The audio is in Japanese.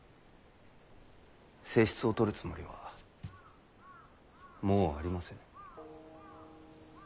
正室をとるつもりはもうありません。